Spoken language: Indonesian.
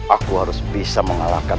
aku harus bisa mengalahkan